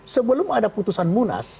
sebelum ada putusan munas